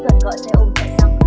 không cần gọi xe ôm chạy xăng